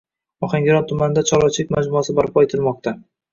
Ohangaron tumanida chorvachilik majmuasi barpo etilmoqda